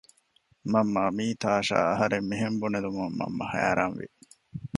މަންމާ މީ ތާޝާ އަހަރެން މިހެން ބުނެލުމުން މަންމަ ހައިރާންވި